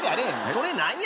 それ何や？